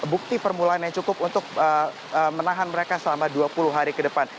bukti permulaan yang cukup untuk menahan mereka selama dua puluh hari ke depan